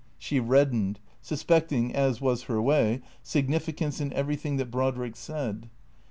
She reddened, suspecting, as was her way, significance in everything that Brodrick said.